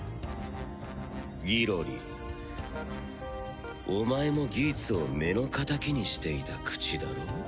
ギロリお前もギーツを目の敵にしていた口だろ？